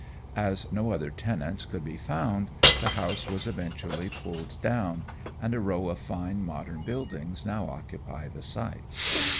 As no other tenants could be found, the house was eventually pulled down, and a row of fine modern buildings now occupy the site.